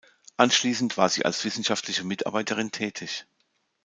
Anschließend war sie als wissenschaftliche Mitarbeiterin tätig.